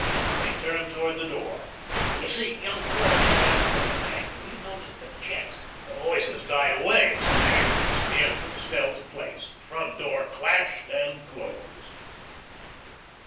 They turned toward the door. "You see, young Court was down there at the bank, and he noticed that checks " The voices died away as the hangings of the entrance fell to place. The front door clashed and closed.